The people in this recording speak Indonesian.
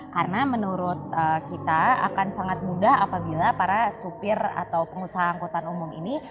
karena menurut kita akan sangat mudah apabila para supir atau pengusaha angkutan umum ini